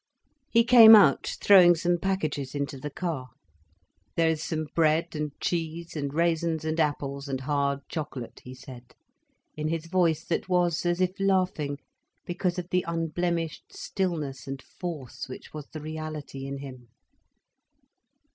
He came out, throwing some packages into the car. "There is some bread, and cheese, and raisins, and apples, and hard chocolate," he said, in his voice that was as if laughing, because of the unblemished stillness and force which was the reality in him.